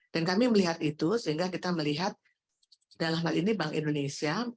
dan kami melihat itu sehingga kita melihat dalam hal ini bank indonesia